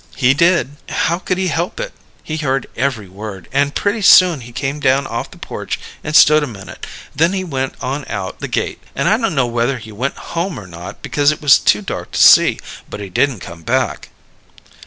"He did. How could he help it? He heard every word, and pretty soon he came down off the porch and stood a minute; then he went on out the gate, and I don't know whether he went home or not, because it was too dark to see. But he didn't come back."